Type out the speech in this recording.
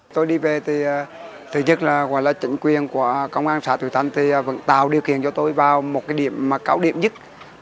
tôi đi về thì thứ nhất là chính quyền của công an xã thủy thanh vẫn tạo điều kiện cho tôi vào một điểm cao điểm nhất